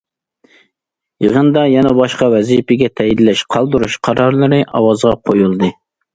يىغىندا يەنە باشقا ۋەزىپىگە تەيىنلەش، قالدۇرۇش قارارلىرى ئاۋازغا قويۇلدى.